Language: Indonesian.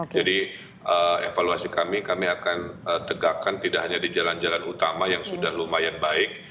jadi evaluasi kami kami akan tegakkan tidak hanya di jalan jalan utama yang sudah lumayan baik